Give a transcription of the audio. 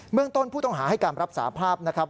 เมืองต้นผู้ต้องหาให้การรับสาภาพนะครับ